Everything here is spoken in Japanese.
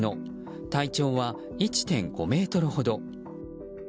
体長は１．５ｍほど。